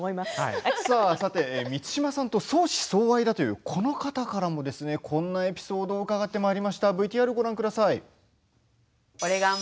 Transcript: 満島さんと相思相愛だという、この方からもこんなエピソードを伺いました。